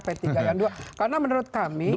p tiga yang dua karena menurut kami